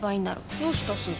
どうしたすず？